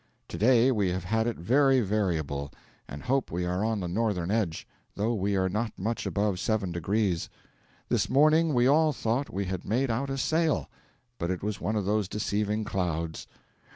To day we have had it very variable, and hope we are on the northern edge, thought we are not much above 7 degrees. This morning we all thought we had made out a sail; but it was one of those deceiving clouds.